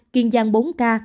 kiên giang bốn ca